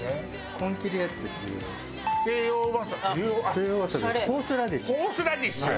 ホースラディッシュ。